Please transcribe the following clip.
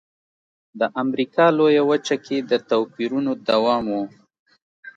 د امریکا لویه وچه کې د توپیرونو دوام و.